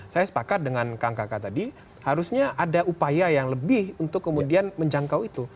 saya sepakat dengan kang kakak tadi harusnya ada upaya yang lebih untuk kemudian menjangkau itu